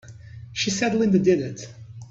She said Linda did it!